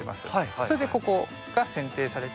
それでここが選定されて。